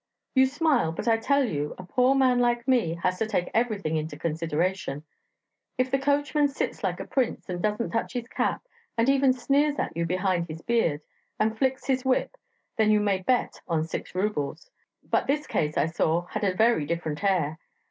You smile; but I tell you, a poor man like me has to take everything into consideration... If the coachman sits like a prince, and doesn't touch his cap, and even sneers at you behind his beard, and flicks his whip then you may bet on six rubles. But this case, I saw, had a very different air.